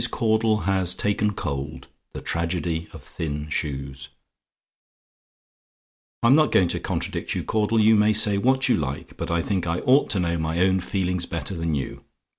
CAUDLE HAS TAKEN COLD; THE TRAGEDY OF THIN SHOES "I'm not going to contradict you, Caudle; you may say what you like but I think I ought to know my own feelings better than you.